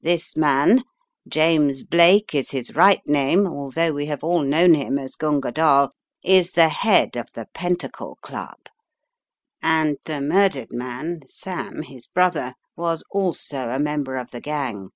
This man, James Blake is his right name, although we have all known him as Gunga Dall, is the head of the Pentacle Club, and the murdered man Sam, his brother, was also a mem ber of the gang.